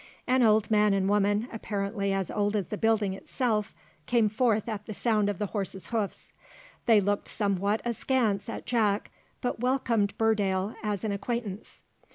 An old man and woman, apparently as old as the building itself, came forth at the sound of the horses' hoofs. They looked somewhat askance at Jack, but welcomed Burdale as an acquaintance.